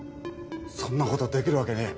そんな事できるわけねえ。